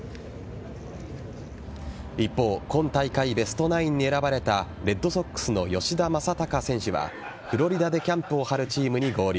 一方、今大会ベストナインに選ばれたレッドソックスの吉田正尚選手はフロリダでキャンプを張るチームに合流。